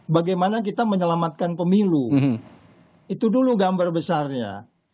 bagaimana kita menyelamatkan pemilu itu dulu gambar besarnya